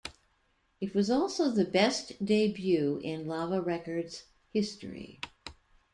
It was also the best debut in Lava Records' history.